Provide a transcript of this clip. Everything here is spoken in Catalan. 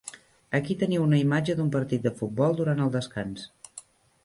Aquí teniu una imatge d'un partit de futbol durant el descans.